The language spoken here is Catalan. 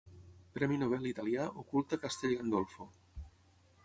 Premi Nobel italià ocult a Castellgandolfo.